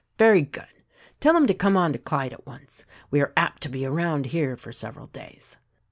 "Very good ! Tell him to come on to Clyde at once — we are apt to be around here for several days."